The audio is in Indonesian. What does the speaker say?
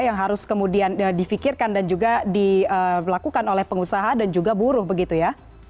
yang harus kemudian difikirkan dan juga dilakukan oleh pengusaha dan juga buruh begitu ya